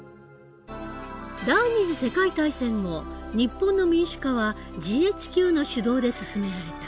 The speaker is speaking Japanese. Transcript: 第２次世界大戦後日本の民主化はＧＨＱの主導で進められた。